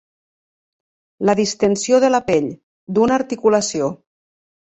La distensió de la pell, d'una articulació.